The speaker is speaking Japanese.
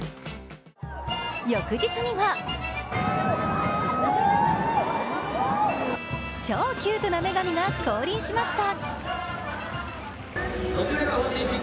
翌日には超キュートな女神が降臨しました。